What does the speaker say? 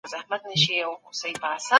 ایا ځايي کروندګر کاغذي بادام ساتي؟